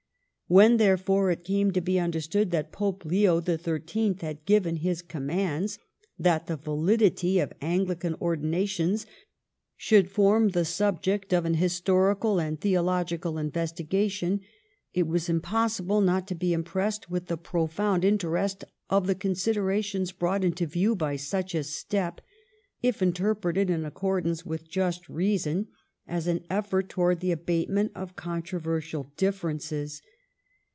When, therefore, it came to be under stood that Pope Leo the Thirteenth had given his commands that the validity of Anglican ordinations should form the subject of an historical and theo logical investigation, it was impossible not to be impressed with the profound interest of the consid erations brought into view by such a step, if inter preted in accordance with just reason, as an effort toward the abatement of controversial differences.